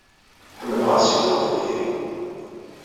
Ḥemmleɣ ad ssiwleɣ ɣef tayri.